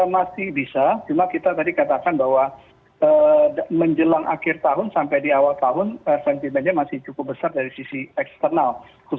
masih bisa cuma kita tadi katakan bahwa menjelang akhir tahun sampai di awal tahun sentimennya masih cukup besar dari sisi eksternal